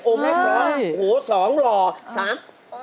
โอมแรกพอโหสองหล่อสาม